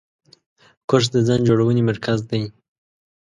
کورس د ځان جوړونې مرکز دی.